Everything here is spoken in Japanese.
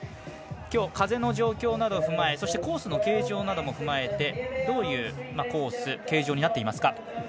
きょう風の状況などを踏まえそして、コースの形状なども踏まえてどういうコース形状になっていますか？